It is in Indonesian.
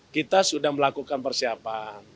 kita sudah melakukan persiapan